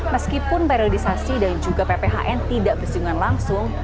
meskipun periodisasi dan juga pphn tidak bersinggungan langsung